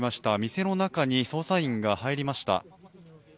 店の中に捜査員が入りました。